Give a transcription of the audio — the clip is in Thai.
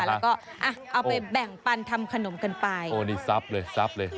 แล้วก็อ่ะเอาไปแบ่งปันทำขนมกันไปโอ้นี่ซับเลยซับเลย